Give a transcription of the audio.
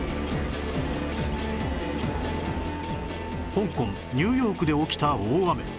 香港ニューヨークで起きた大雨